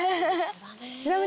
ちなみに。